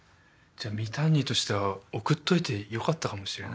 じゃあミタンニとしては送っといてよかったかもしれないですね